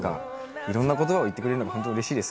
いろんな言葉を言ってくれるのがうれしいです。